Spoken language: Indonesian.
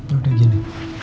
ya udah gini